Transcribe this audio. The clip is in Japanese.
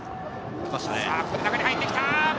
中に入ってきた！